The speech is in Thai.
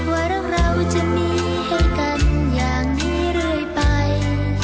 ว่าเรื่องเราจะมีให้กันอย่างนี้เรื่อยไป